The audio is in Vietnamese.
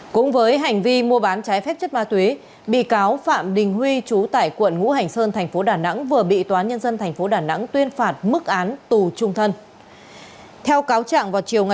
cũng với hành vi mua bán trái phép chất ma túy bị cáo phạm đình huy chú tại quận ngũ hành sơn thành phố đà nẵng vừa bị tòa nhân dân tp đà nẵng tuyên phạt mức án tù trung thân